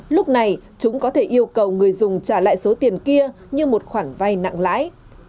lúc này chúng có thể yêu cầu người dùng trả lại số tiền kia như một khoản vay nặng lãi